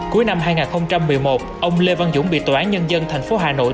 cuối năm hai nghìn một mươi một ông lê văn dũng bị tòa án nhân dân tp hà nội